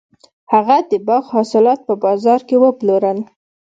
هغه د باغ حاصلات په بازار کې وپلورل.